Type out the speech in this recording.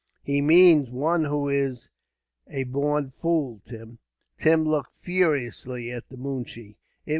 "He means one who is a born fool, Tim." Tim looked furiously at the moonshee.